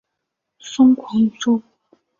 疯狂宇宙